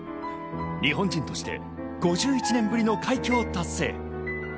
日本人として５１年ぶりの快挙を達成。